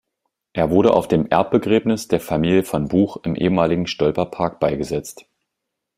Er wurde auf dem Erbbegräbnis der Familie von Buch im ehemaligen Stolper Park beigesetzt.